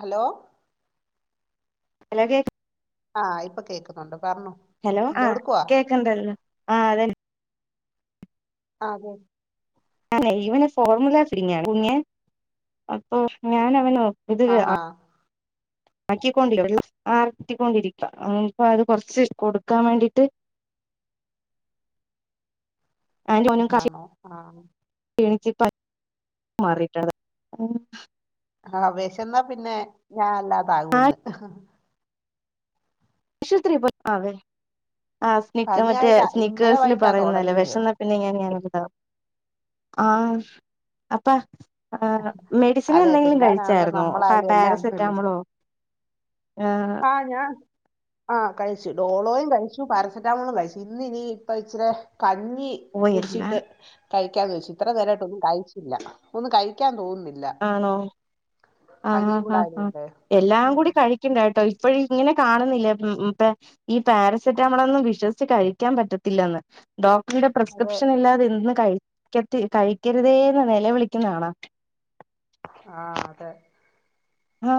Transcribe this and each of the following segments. Hello hello കേക്ക് ആഹ് ഇപ്പ കേക്കുന്നുണ്ട് പർഞ്ഞോ ഹലോ ആഹ് കേക്ക്ണ്ടല്ലോ ആഹ് അതെന്നെ ആഹ് കേക് അല്ല ഇവന് ഫോർമുല ഫീഡിങ്ങാണ് കുഞ്ഞെ അപ്പൊ ഞാൻ അവനോ ഇത് ര ആ ആഹാ ആക്കിക്കൊണ്ട്ല്ലെ വെള്ളം ആറ്റിക്കൊണ്ടിരിക്ക അപ്പൊ അത് കൊറച്ച് കൊടുക്കാൻ വേണ്ടിട്ട് ആണോ ആന്ന് ക്ഷീണിച്ച് പ മറീട്ട് [unintelligible] ആഹ്വെഷന്നാ പിന്നെ ഞാൻ അല്ലാത ആകൂന്ന് ആശുപത്രി പോയി ആഹ് വെ ആഹ് സ്‌നിക് മറ്റേ പനിയായിട്ടാ ഇന്നലെ സ്നിക്കേഴ്സ് ല് വൈകിട്ടാ പറയുന്നല്ലേ തുടങ്ങിയത് വെഷന്നാ പിന്നെ ഇങ്ങനെ [unintelligible] ത് ഇണ്ടാവും ആഹ് അപ്പ അഹ് ആഹ് മെഡിസിന് അതെ എന്തെങ്കിലും പിള്ളേരാണെലും കഴിച്ചായിരുന്നോ പാ നമ്മളായാലും എല്ലാം അങ്ങനല്ലേ പാരസെറ്റാമൊളോ ആഹ് ആഹ് ഞാൻ ആഹ് കഴിച്ചു ഡോളോയും കഴിച്ചു പാരസിറ്റാമോളും കഴിച്ചു ഇന്നിനി ഇപ്പ ഇച്ച് രെ കഞ്ഞി ഓ എല്ലാം കുടിച്ചിട്ട് കഴിക്കാന്ന് വെച്ചു ഇത്രേ നേരായിട്ടും ഒന്നും കഴിച്ചില്ല ഒന്നും കഴിക്കാൻ തോന്നുന്നില്ല ആണോ ആഹ് പനിയും ആഹ് കൂടെ ആഹ് ആഹ് ആയതുകൊണ്ടേ എല്ലാം ഉം കൂടി കഴിക്കണ്ടട്ടോ ഇപ്പഴ് ഇങ്ങനെ കാണുന്നില്ലേ ഉം ഉം പെ ഈ പാരസെറ്റാമോളൊന്നും വിശ്വസിച്ച് കഴിക്കാൻ പറ്റത്തില്ലന്ന് ഡോക്ടറുടെ അതെ പ്രിസ്ക്രിപ്ഷൻ ഇല്ലാതെ ഇതൊന്നും കഴിക്കട്ട് കഴിക്കരുതേന്ന് നിലവിളിക്കുന്നത് കാണാ ആഹ് അതെ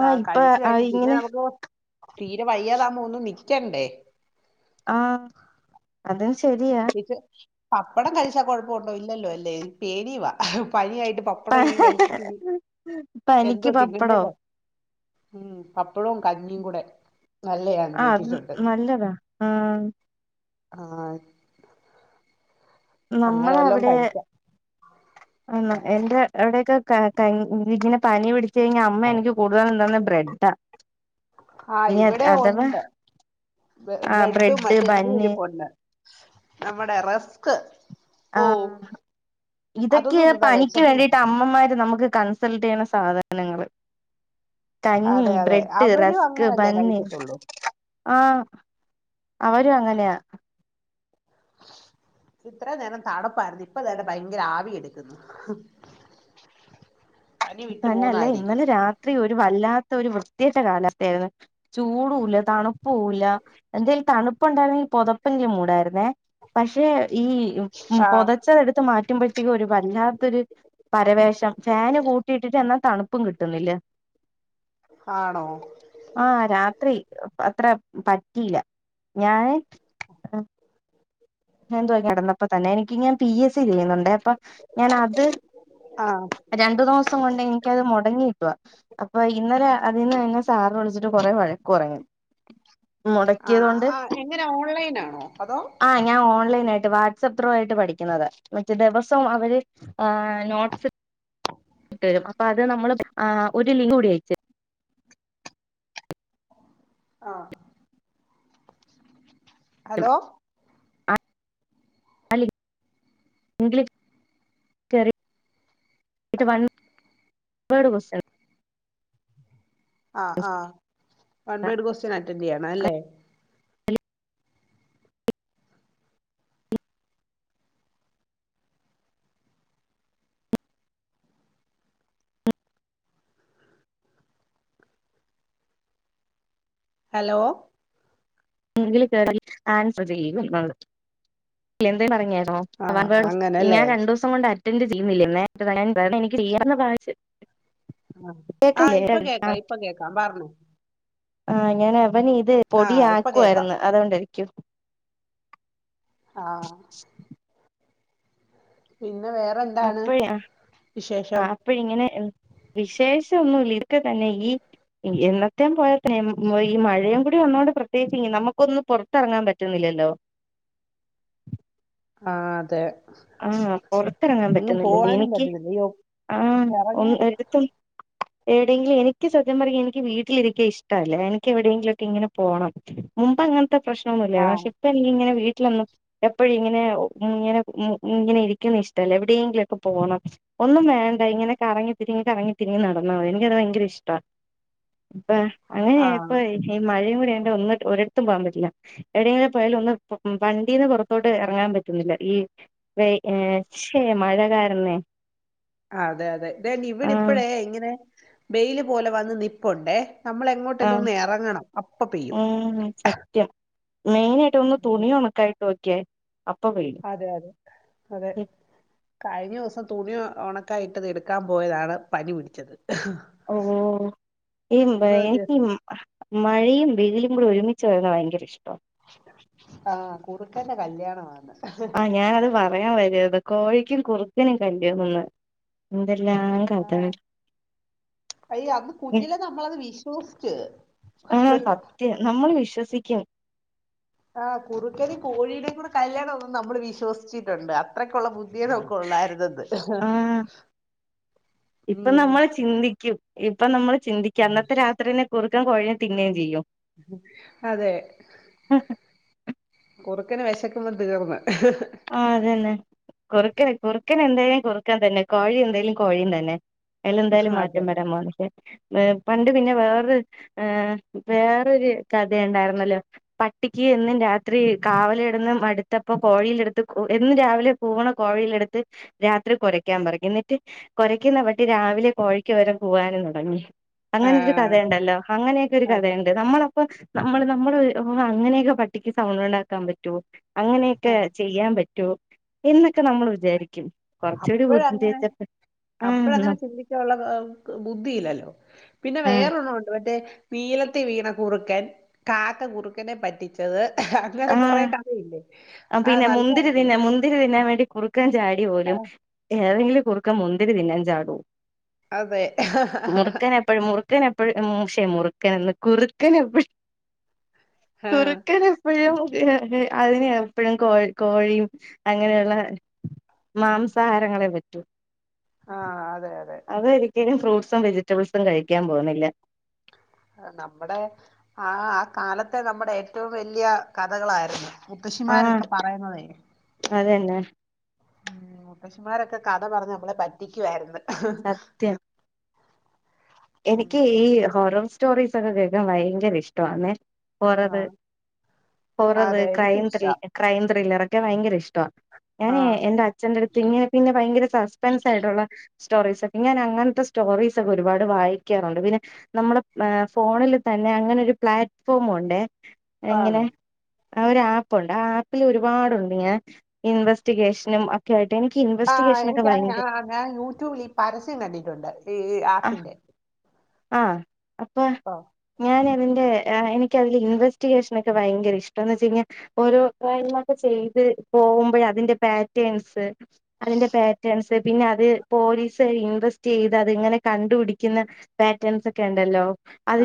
താ ഇപ്പൊ കഴിച്ചു ആഹ് കഴിഞ്ഞാ പിന്നെ ഇങ്ങനെ നമുക്ക് തീരെ വയ്യാതാവുമ്പൊ ഒന്ന് നിക്ക്യണ്ടേ ആഹ് അതും ശരിയാ ച്ച് പപ്പടം കഴിച്ചാ കൊഴപ്പൊ ഉണ്ടോ ഇല്ലല്ലോ അല്ലേ പേടിയുവാ പനിയായിട്ട് പ പ്പടം ഇനിം കഴിച്ചിട്ട് ഇനി പനിക്ക് എന്തോ പപ്പടോ തിന്നണ്ടേന്ന് ഉം പപ്പടവും കഞ്ഞിയും കൂടെ നല്ലയാന്ന് ആഹ് അത് കേട്ടിട്ടുണ്ട് നല്ലതാ ആഹ് ആഹ് ആഹ് അങ്ങനെ നമ്മളെ വല്ലോം അവിടെ കഴിക്കാം ആന്ന് എന്റെ അവിടെയൊക്കെ ക കഞ് ഇതിനെ പനി പിടിച്ച് കഴിഞ്ഞ അമ്മ എനിക്ക് കൂടുതലും തിന്ന്ന്ന് ബ്രെഡ്ഡ ആഹ് ഇവിടെ ഒണ്ട് ബ്രെ ആ ബ്രെഡും ബ്രെഡ് മറ്റേ ഇതും ബന്ന് ഇരിപ്പൊണ്ട് നമ്മുടെ റെസ്ക് ആഹ് അതൊന്നും ഇതൊക്കെയാ തിന്നാ പനിക്ക് വിശപ്പ് വേണ്ടിട്ട് മാറും അമ്മമാര് നമുക്ക് കൺ സൾട്ട് ചെയ്യ്ണ സാധനങ്ങള് കഞ്ഞി, അതെ അതെ ബ്രെഡ്, അവരും റസ്ക്, അങ്ങനല്ലേ ബന്ന് കഴിക്കത്തുള്ളൂ ആഹ് അവരും അങ്ങനെയാ ഇത്ര നേരം തണപ്പായിരുന്നു ഇപ്പ തേണ്ടേ ഭയങ്കര ആവി എട്ക്ക്ന്ന് [inaudible] തന്നെയും അല്ല ഇന്നലെ രാത്രി ഒരു വല്ലാത്ത ഒരു വൃത്തികെട്ട കാലവസ്ഥയായിര്ന്ന് ചൂടൂല്ല തണുപ്പൂല്ല എന്തേൽ തണുപ്പുണ്ടായിരുന്നങ്കി പൊതപ്പങ്കി മൂടായിരുന്നേ പക്ഷെ ഈ ആഹ് പൊതച്ചത് എടുത്ത് മാറ്റുമ്പോ ത്തിക്കുംഒരു വല്ലാത്തൊരു പരവേഷം ഫാന് കൂ ട്ടി ട്ട്ട്ട് എന്നാ തണുപ്പും കിട്ടുന്നില്ല ആണോ ആഹ് രാത്രി അത്ര പറ്റീല്ല ഞാന് [inaudible] എന്തോ കിടന്നപ്പോ തന്നെ എനിക്ക് ഞാൻ പി എസ് സി ചെയ്യുന്നുണ്ട് അപ്പൊ ഞാൻ അത് ആഹ് രണ്ടു ദിവസം കൊണ്ട് എനിക്കത് മുടങ്ങിക്കുവാ അപ്പൊ ഇന്നലെ അതീന്ന് എന്നെ സാറ് വിളിച്ചിട്ട് കൊറെ വഴക്ക് പറഞ്ഞു മുടക്കിയത് ആഹ് കൊണ്ട് ആഹ് എങ്ങനെ ഓൺലൈനാണോ അതോ ആ ഞാൻ ഓൺലൈനായിട്ട് വാട്സപ്പ് ത്രൂ ആയിട്ട് പഠിക്കുന്നത് മറ്റേ ദിവസവും അവര് നോട്ട്സ് ഇട്ട് തരും അപ്പ അത് നമ്മൾ ഒരു ലിങ്ക് കൂടി അയച്ച് ആഹ് ഹലോ ആഹ് ആ ലിങ്ക് ലിങ്ക്‌ല് കേറി അയിത്തെ വൺ വേഡ് ക്വസ്റ്റ്യൻ ആഹ് ആഹ് വൺ വേഡ് ക്വസ്റ്റ്യൻ അറ്റൻഡ് ചെയ്യണം അല്ലേ [unintelligible] ഹലോ ലിങ്കിൽ കേറി ആൻസർ ചെയ്യുന്നാണ്ത് എന്തേ പറഞ്ഞേ ന്നോ ആഹ് വൺ വേഡ് ക്വസ് ഞൻ രണ്ടൂസം കൊണ്ട് അറ്റൻ് ചെയ്യുന്നില്ലേന്നേ [unintelligible] എനിക്ക് ചെയ്യ [unintelligible] ആഹ് ആഹ് ഇപ്പം കേക്കാം ഇപ്പം കേക്കാം പറഞ്ഞേ ആഹ് ഞൻ അവന് ഇത് പൊടി ആഹ് ഇപ്പൊ കേക്കാം ആക്കുവായിരുന്നു അതുകൊണ്ടായിരിക്കും ആഹ് [inaudible] പിന്നെ വേ അപ്പഴെ ആ ആ അപ്പ ഇങ്ങനെ വിശേഷം ഒന്നുമില്ല ഇതെക്കെ തന്നെ ഈ ഈ എന്നത്തെ പോയാ തന്നെ [unintelligible] ഈ മഴയും കൂടി വന്നോണ്ട് പ്രത്യേകിച്ചില്ല നമുക്കൊന്നും പുറത്തിറങ്ങാൻ പറ്റുന്നില്ലല്ലോ ആഹ് അതെ ആഹ് പൊറത്തിറങ്ങാൻ എങ്ങും പറ്റുന്നില്ലല്ലേ പോവാനും എനിക്ക് പറ്റുന്നില്ല അയ്യോ ആഹ് എറങ്ങിയ ഒന്ന് എടുത്തും എവിടെയെങ്കിലും എനിക്ക് സത്യം പറഞ്ഞ എനിക്ക് വീട്ടിലിരിക്ക ഇഷ്ടല്ല എനിക്ക് എവിടെയെങ്കിലും ക്കെ ഇങ്ങനെ പോണം മുമ്പ് അങ്ങൻ ത്തെ പ്രശ്നൊന്നുല്ലാ ആഹ് പക്ഷെ ഇപ്പ എനിക്കിങ്ങനെ വീട്ടിലൊന്നും എപ്പഴും ഇങ്ങനെ ഉം ഇങ്ങനെ ഉം ഇങ്ങനെ ഇരിക്കുന്ന ഇഷ്ടല്ല എവിടെങ്കിലും ഒക്കെ പോണം ഒന്നും വേണ്ട ഇങ്ങനെ കറങ്ങി തിരിഞ്ഞു കറങ്ങി തിരിഞ്ഞു നടന്നാ മതി എനിക്കത് ഭയങ്കര ഇഷ്ടാ ഇപ്പ ആഹ് അങ്ങനെയായപ്പോ ഈ ഈ മഴേ കൂടി ആയോണ്ട് ഒന്ന് ഒരിടത്തും പോകാൻ പറ്റീല്ല എവിടെങ്കിലും പോയാലു ഒന്ന് വണ്ടീന്ന് പൊറത്തോട്ട് എറങ്ങാൻ പറ്റുന്നില്ല ഈ വേ ഏഹ് പക്ഷേ മഴ കാരണേ അതെ അതെ ദേ ന് ഇവിടെ ആഹ് ഇപ്പഴേ ഇങ്ങനെ വെയില് പോലെ വന്ന് നിപ്പുണ്ടേ നമ്മള് എങ്ങോട്ടേലും ആഹ് ഒന്ന് എറങ്ങണ്ണം അപ്പം പെയ്യും ഉം സത്യം മെയിനായിട്ട് ഒന്ന് തുണി ഒണക്കായിട്ട് നോക്കിയേ അപ്പ പെയ്യും അതെ അതെ അതെ കഴിഞ്ഞ ദിവസം തുണി ഒണക്കായിട്ടത് എടുക്കാൻ പോയതാണ് പനി പിടിച്ചത് ഓഹ് ഒന്ന് [unintelligible] ജസ്റ്റ് ഹ മഴയും വെയിലും കൂടി ഒരുമിച്ച് വരുന്നത് ഭയങ്കര ഇഷ്ടാ. ആഹ് കുറുക്കന്റെ കല്യാണാവാന്ന്. ആഹ് ഞാനത് പറയാൻ വരുവാരുന്നു കോഴിക്കും കുറുക്കനും കല്ല്യാണോന്നു. എന്തെല്ലാം കഥകൾ. അയ്യോ അന്ന് കുഞ്ഞിലെ നമ്മളത് വിശ്വസിച്ചു. നമ്മള് വിശ്വസിക്കും. ആഹ് കുറുക്കനും കോയീടെ കൂടെ കല്യാണം ആന്നും നമ്മള് വിശ്വസിച്ചിട്ടുണ്ട് അത്രയ്ക്കുള്ള ബുദ് ദ്ധികളൊക്കെ ഒള്ളായിരുന്നന്ന് ആ ഇപ്പൊ ഉം. നമ്മൾ ചിന്തിക്കും ഇപ്പൊ നമ്മള് ചിന്തിക്ക അന്നത്തെ രാത്രിതന്നെ കുറുക്കൻ കോഴിയെ തിന്വേം ചെയ്യും. അതെ. കുറുക്കന് വിശക്കുമ്പം തീർന്ന്. ആഹ് അതന്നെ കുറുക്കൻ കുറുക്കനെന്തായാലും കുറുക്കൻ തന്നെ കോഴി എന്തായലും കോഴിയും തന്നെ. അയിലെന്തായാലും അതെ മാറ്റം വരാൻ പോന്നില്ല. ഏഹ് പണ്ട് പിന്നെ വേറൊ ഏഹ് വേറൊരു കഥയൊണ്ടായിരുന്നല്ലോ പട്ടിക്ക് എന്നും രാത്രി കാവല് കെടന്നു മടുത്തപ്പോ കോഴിയിലെടു ത്ത് കോ എന്നും രാവിലെ കൂവണ കോഴിയിലെടുത്ത് രാത്രി കുരക്കാൻ പറെം എന്നിട്ട് കൊരയ്ക്കുന്ന പട്ടി രാവിലെ കോഴിക്കുപകരം കൂവാനും തുടങ്ങി. അങ്ങനെ ഒരു ആഹ് കഥയൊണ്ടല്ലോ, അങ്ങനെയൊക്കെ ഒരു അതെ കഥയുണ്ട്, നമ്മളപ്പ നമ്മള് നമ്മള് അങ്ങനെയൊക്കെ പട് ട്ടിക്ക് സൗണ്ടൊണ്ടാക്കാൻ പറ്റോ ആ അങ്ങനെയൊക്കെ. ചെയ്യാൻ പറ്റോ എന്നൊക്കെ നമ്മൾ വിചാരിക്കും കുറച്ചുകൂടി അപ്പഴങ്ങനെ ബുദ്ധിയുപയോഗിച്ചപ്പോ അപ്പഴങ്ങനെ ചിന്തിക്കാനുള്ള ആ ബുദ്ധിയില്ലല്ലോ പിന്നെ ആഹ് വേറൊരെണ്ണമുണ്ട് മറ്റേ നീലത്തി വീണ കുറുക്കൻ കാക്ക കുറുക്കനെ പറ്റിച്ചത് അങ്ങനെ കുറെ ക ഥയില്ലേ? ആഹ് പിന്നെ മുന്തിരി തിന്ന മുന്തിരി തിന്നാൻ വേണ്ടി കുറു ക്കൻ ചാടി പോലും, ഏതെങ്കിലും കുറുക്കൻ മുന്തിരി തിന്നാൻ ചാടോ? അതെ. അപ്പഴ മുറുക്കൻ എപ്പഴ ഉം ശേ മുറുക്കനെന്ന് കുറുക്കനെപ്പഴും ആഹ് കുറുക്കൻ എപ്പഴും അ അതിനെയ പ്പഴും കോ കോഴിയും അങ്ങനെയുള്ള മാംസാഹാരങ്ങളെ പറ്റൂ. ആഹ് അതെ അതെ. അതൊരിക്കലും ഫ്രൂട്ട്സും വെജിറ്റബിൾസും കഴിക്കാൻ പോകുന്നില്ല. അഹ് നമ്മുടെ ആഹ് ആ കാലത്തെ നമ്മുടെ ഏറ്റവും വെല്ല്യ കഥകളാരുന്നു. ആഹ് മുത്തശ്ശിമാരൊക്കെ പറയുന്നതേ. അതന്നെ ഉം മുത്തശിമാരൊക്കെ കഥ പറഞ്ഞ് നമ്മളെ പറ്റിക്കുവായിരുന്നു. സത്യം എനിക്ക് ഉം ഈ ഹൊറർ സ്റ്റോറീസ്സൊക്കെ കേക്കാൻ ഭയങ്കര ഇഷ്ടവാന്നേ. ഹൊററ് ആഹ് ഹൊററ് അതെ ക്രൈം ത്രിൽ എനിക്കിഷ്ടാ. ക്രൈം ത്രില്ലറൊക്കെ ഭയങ്കര ഇഷ്ടവാ. ഞാനേ ആഹ് എന്റച്ഛന്റടുത്ത് ഇങ്ങനെ പിന്നെ ഭയങ്കര സസ്പെൻസ് ആയിട്ടൊള്ള സ്റ്റോറീസൊക്കെ ഞാനങ്ങൻത്തെ സ്റ്റോറീസൊക്കെ ഒരുപാട് വായിക്കാറുണ്ട് പിന്നെ നമ്മുടെ എഹ് ഫോണിൽ തന്നെ അങ്ങനെ ഒരു പ്ലാറ്റ്ഫോമുണ്ടെ എങ്ങനെ ആണ്. ആ ഒരു ആപ്പുണ്ട് ആ ആപ്പിൽ ഒരുപാടുണ്ട് ഞാ ഇൻവെസ്റ്റിഗേഷനും അ ക്കൊയിട്ട് എനിക്ക്‌ ആ ഇവെസ്റ്റിഗേഷനക്കെ ഭയങ്ക എനിക്കറിയാം ആ ഞാൻ യൂട്യൂബിൽ ഈ പരസ്യം കണ്ടിട്ടുണ്ട് ഈ ആപ്പിന്റെ ആഹ് അപ്പൊ ആഹ് ഞാന് അതിന്റെ ആഹ് എനിക്കതില് ഇൻവേസ്റ്റിഗേഷൻ ഒക്കെ ഭയങ്ക ഇഷ്ട. എന്ന് വെച്ച് കഴിഞ്ഞാ ഓരോ കാര്യങ്ങളൊക്കെ ചെയ്ത് പോകുമ്പോഴ അതിന്റെ പാറ്റേൺസ് അതിന്റെ പാറ്റേൺസ് പിന്നെ അത് പോലീസ് ഇൻവെസ്റ്റ് ചെയ്ത് അത് ഇങ്ങനെ കണ്ടുപിടി പിടിക്യുന്ന പാറ്റേൺസ് ഒക്കെ ഉണ്ടല്ലോ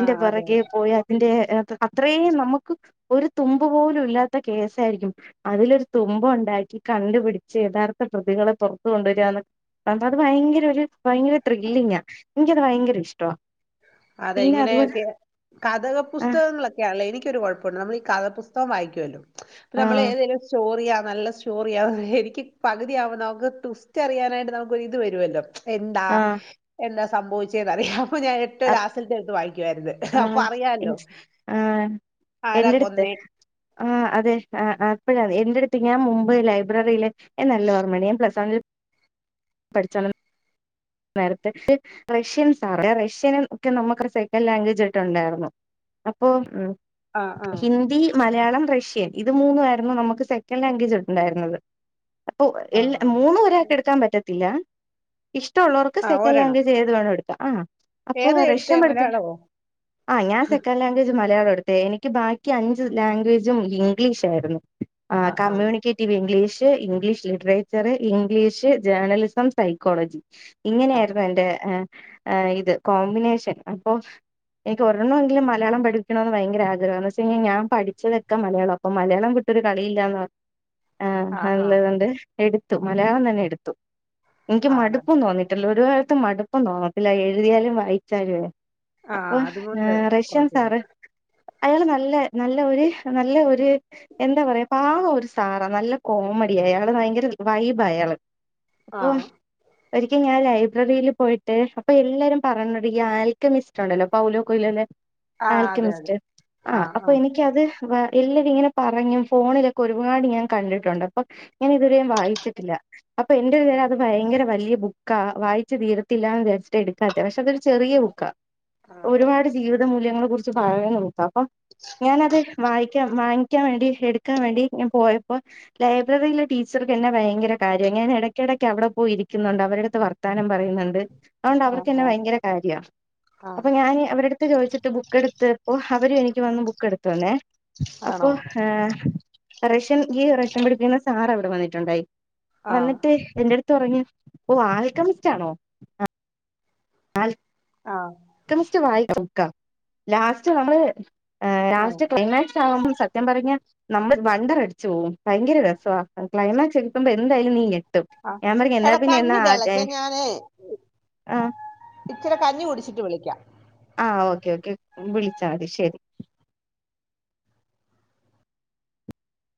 ആ അതെ പുറകെ പോയി അ അതിന്റെ ഹെ അത്രേം നമുക്ക് ഒരു തുമ്പ് പോലും ഇല്ലാത്ത കേസായിരിക്കും. അതിലൊരു തുമ്പുണ്ടാക്കി കണ്ടുപിടിച്ച് യഥാർത്ഥ പ്രതികളെ പുറത് കൊണ്ടുവര ഒന്നാമത് ഭയങ്കര രു ഭയങ്കര ത്രില്ലിങ്ങാ. എനിക്കത് ഭയങ്കര ഇഷ്ടാ. അതെ ഇങ്ങനെയൊക്കെ കഥക ആഹ് പുസ്തകങ്ങളൊക്കെ ക്കെ യാണല്ലോ. എനിക്കൊരു കുഴപ്പണ്ട്. നമ്മള് ഈ കഥപുസ്തകം വായിക്കുവല്ലോ. പിന്നെ നമ്മള് ആഹ് ഏതെലും സ്റ്റോറിയ ആഹ് നല്ല സ് സ്റ്റോറി എനിക്ക് പകുതിയാവബം നമുക്ക് ട്വിസ്റ്റ്‌റിയാനായിട്ട് നമുക്കൊരിത് വരുവല്ലോ.. എന്താ. ആഹ് എന്താ സംഭവിച്ചെന്നറിയാം അപ്പൊ ഞാ ഏറ്റും അപ് ലാസ്റ്റ്ത്തെ എടുത്ത് വായിക്കുവായിരുന്നു. അപ്പൊ ആഹ് എൻ അറിയാല്ലോ. ആഹ് ആരാ എന്റെടുത്ത് കൊന്നേ. ആഹ് അതെ. ആഹ് ആഹ് അപ്പഴറിയ. എന്റെടുത്ത് ഞാൻ മുമ്പ് ലൈബ്രറിയില് നല്ല ഓർമ്മയുണ്ട്. ഞാൻ പ്ലസ് വണിൽ പഠിച്ചാന്ന നേരത്തെ റഷ്യൻ സാറ റഷ്യന ഒക്കെ നമ്മുക്ക് സെക്കൻഡ് ലാംഗ്വേജ് ആട്ടുണ്ടായിരുന്നു. അപ്പൊ ഉം. ആ ആ ഹിന്ദി, മലയാളം, റഷ്യൻ ഇത് മൂന്നു ആയിരുന്നു നമുക്ക് സെക്കൻഡ് ലാംഗ്വേജ് ട്ട് ഉണ്ടായിരുന്നത്. അപ്പൊ ആ എല്ല ആ. മൂന്നും ഒരാക്കെ എടുക്കാൻ പറ്റത്തില്ല. ഇഷ്ടള്ളൊർക്ക് ആ സെക്കൻഡ് ഒരെണ്ണം ലാംഗ്വേജ് ഏത് വേണോങ്കി എടുക്കാം. ആഹ് അപ്പൊ ഏതാ റഷ്യ എടുത്തേ പഠപ്പിക്ക.. മലയാളമോ ആഹ് ഞാൻ സെക്കൻ് ലാഗ്വജ് മയാളം എടുത്തേ. എനി.. ക്ക് ബാക്കി അഞ്ച് ലാഗ്വേജും ഇംഗ്ലീഷായിരുന്നു. ആ ആഹ് ആ കമ്മ്യൂണിക്കേ- റ്റ് English, English literature, English journalism, psychology. ആ ഇങ്ങനെയായിരുന്നു എന്റെ ഏഹ് ഇത് കോമ്പിനേഷൻ. അപ്പോ എനിക്ക് ഒരെണങ്കിലും മലയാളം പഠിപ്പിക്കണംന്ന് ഭയങ്ക ആഗ്രഹന്നു. പക്ഷെ കഴിഞ ഞാൻ പഠിച്ചതൊക്കെ മലയാള. അപ്പ മലയാളം വിട്ടൊരു കളിയില്ലാന്ന് പറ ആഹ് ആ ആ നല്ലത്ണ്ട്. എടുത്തു മലയാളം തന്നെ എടുത്തു. എനിക്ക് ആണ് മടു പ്പം തോന്നിട്ടില്ല. ഒരു കാലത്ത് മടുപ്പും തോന്നത്തില്ല. എഴുതിയാലും വായിച്ചാലുവേ. ആഹ് അപ്പോം അതുകൊണ്ട് നറഷ്യൻ കൊഴപ്പമില്ല സാറ് അയാള് നല്ല നല്ല ഒര് നല്ല ഒര് എന്താ പറയാ പാവ ഒരു സാറാ. നല്ല കോമഡി അയാള് ഭയങ്കര വൈബ അയാള്. ആഹ് ഒരിക്ക ഞാൻ ലൈബ്രറിയിൽ പോയിട്ട് അപ്പൊ എല്ലാരും പറന്നുണ്ട് ഈ ആൽക്കമിസ്റ്റ് ഉണ്ടല്ലോ പൗലോ കൊയിലോന്റെ ആഹ് അതെ അതെ ആൽക്കമിസ്റ്റ്. ആഹ് അപ്പൊ എനിക്കത് വ എല്ലരും ഇങ്ങനെ പറഞ്ഞും ഫോണിലൊക്കെ ഒരുപാട് ഞാൻ കണ്ടിട്ടുണ്ട്. അപ്പൊ ഞാന് ഇതുവരെ വായിച്ചിട്ടില്ല. അപ്പൊ എന്റെ ഒരു ത അത് ഭയങ്കര വൽ യ ബുക്കാ വായിച്ചു തീരത്തില്ലാന്ന് വിചരിച്ചിട്ട് എടുക്കാത്ത. പക്ഷെ അതൊരു ചെറിയ ബുക്കാ. ആഹ് ഒരുപാട് ജീവിതമൂല്യങ്ങളെ കുറിച്ച് പറയണ ബുക്ക. ഓഹ് ഞാനത് വായിക്കാ വാങ്ങിക്കാൻ വേണ്ടി എടുക്കാൻ വേണ്ടി ഞാൻ പോയ അപ്പോ ലൈബ്രറിയിലെ ടീച്ചർക്കന്നെ ഭയങ്കര കാര്യ. ഞാന് ഇടയ്ക്കിടയ്ക്ക് അവിടെ പോയിരി- ക്യുന്നുണ്ട്. അവരടുത്ത് വർത്താനം പറയുന്നുണ്ട്. അതുകൊണ്ട് അവർക്കന്നെ ആഹ് ഭയങ്കര കാര്യാ. അപ്പൊ ആഹ് ഞാന് അവരുട ട്ട് ചോദിച്ചിട്ട് ബുക്ക് എടുത്തപ്പോ അവരും എനിക്ക് വന്ന് ബുക്ക് എടുത്തുന്നേ. അപ്പൊ ആണോ ഏഹ് റഷൻ ഈ റഷൻ പടിപ്പിക്കുന്ന സാറ് അവിടെ വന്നിട്ടുണ്ടായി ആഹ് വന്നിട്ട് എന്റട്ത്ത് പറഞ്ഞു ഓ ആൽക്കമിസ്റ്റാണോ? ആൽ- ആഹ് ക്കമിസ്റ്റ് വായിച്ചൊട്ക്കാം ലാസ്റ്റ് നമ്മള് ആഹ് ലാസ്റ്റ് ക്ലൈമാക്സ് [unintelligible] സത്യം പറഞ്ഞ- നമ്മൾ വണ്ടർ അടിച്ച് പോവും ഭയങ്കര രസ്വാ ക്ലൈമാക്സ് എത്തുമ്പോ എന്തായാലും നീ ഞെട്ടും. അ ഞാൻ പറഞ്ഞ് എന്നാ എട പിന്നെ എന്നാ കഞ്ഞി തെളച്ച് ഞാനേയ് ആഹ് ഇച്ചിരി കഞ്ഞി കുടിച്ചിട്ട് വിളിക്കാം. ആഹ് ഓക്കെ ഓക്കെ വിളിച്ചാ മതി ശരി.